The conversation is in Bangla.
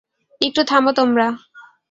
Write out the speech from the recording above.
একটু থামো তোমরা!